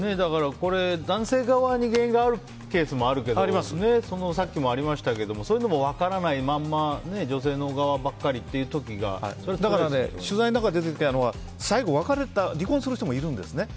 これ、男性側に原因があるケースもあってさっきもありましたけどそういうのが分からないまま取材の中で出てきたのは最後、離婚する人もいるんですね。